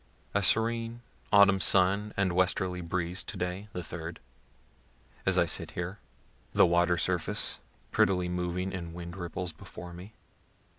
A serene autumn sun and westerly breeze to day (3d) as I sit here, the water surface prettily moving in wind ripples before me.